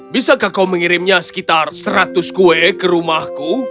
bisakah kau mengirimnya sekitar seratus kue ke rumahku